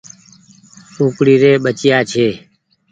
ڪوڪڙي ري ٻچيآ ڇي۔